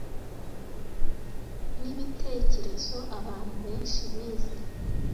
nibitekerezo abantu benshi bize .